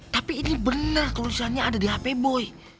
tapi ini bener tulisannya ada di hp boy